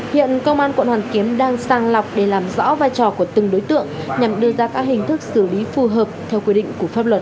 hiện công an quận hoàn kiếm đang sang lọc để làm rõ vai trò của từng đối tượng nhằm đưa ra các hình thức xử lý phù hợp theo quy định của pháp luật